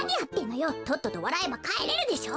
とっととわらえばかえれるでしょ！